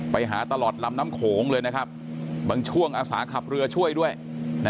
ไปหาตลอดลำน้ำโขงเลยนะครับบางช่วงอาสาขับเรือช่วยด้วยนะ